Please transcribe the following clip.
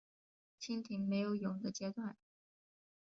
蜻蜓没有蛹的阶段。